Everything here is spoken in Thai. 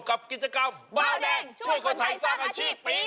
กับกิจกรรมบาวแดงช่วยคนไทยสร้างอาชีพปี๒